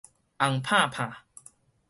紅冇冇